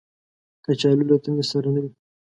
کچالو له تندې سره نه وي